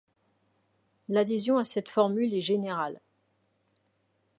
L'adhésion à cette formule est générale.